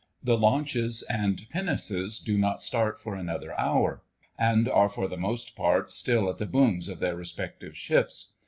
The launches and pinnaces do not start for another hour, and are for the most part still at the booms of their respective ships.